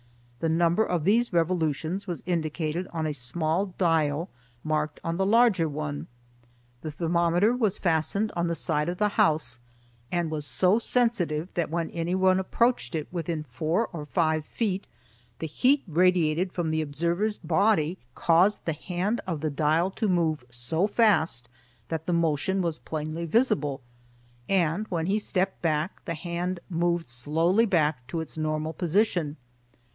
The number of these revolutions was indicated on a small dial marked on the larger one. This thermometer was fastened on the side of the house, and was so sensitive that when any one approached it within four or five feet the heat radiated from the observer's body caused the hand of the dial to move so fast that the motion was plainly visible, and when he stepped back, the hand moved slowly back to its normal position.